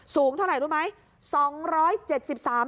สูงเท่าไหร่รู้ไหม